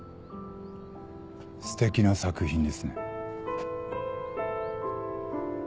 すてきな作品ですね。